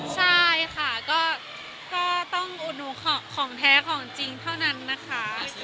ใช่ค่ะก็ต้องอุดหนุของแท้ของจริงเท่านั้นนะคะ